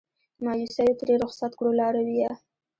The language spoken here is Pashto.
مایوسیو ترې رخصت کړو لارویه